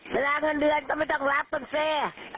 เวลาเงินเดือนก็ไม่ต้องรับบุฟเฟ่